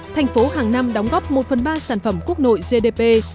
thành phố hàng năm đóng góp một phần ba sản phẩm quốc nội gdp